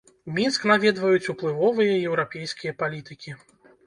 Мінск наведваюць уплывовыя еўрапейскія палітыкі.